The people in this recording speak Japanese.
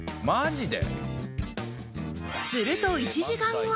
すると１時間後